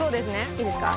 いいですか？